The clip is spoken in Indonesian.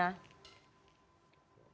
anda melihatnya juga ke arah sana gak pak palguna